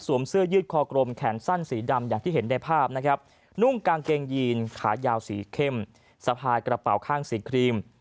เสื้อยืดคอกลมแขนสั้นสีดำอย่างที่เห็นในภาพนะครับนุ่งกางเกงยีนขายาวสีเข้มสะพายกระเป๋าข้างสีครีม